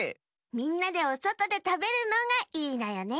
みんなでおそとでたべるのがいいのよね。